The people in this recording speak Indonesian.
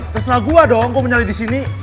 terserah gue dong kok mau nyari di sini